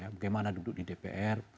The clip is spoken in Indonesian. bagaimana duduk di dpr